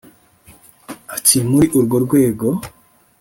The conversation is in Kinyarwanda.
Ati “Muri urwo rwego